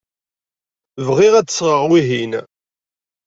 Bɣiɣ ad d-sɣeɣ wihin.